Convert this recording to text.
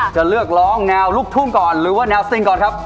จะเลือกร้องแนวลูกทุ่งก่อนหรือว่าแนวสติงก่อนครับ